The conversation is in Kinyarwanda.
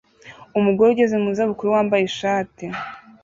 Umugore ugeze mu za bukuru wambaye ishati